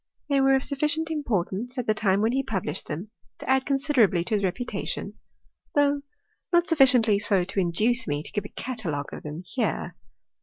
They were of sufficient importance, at the time when he published them, to add considerably to his reputation, though not sufficiently so to induce me to give a catalogue of tliem here.